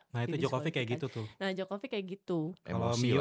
nah itu jokovic kayak gitu tuh